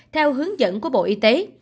theo hướng dẫn của bộ y tế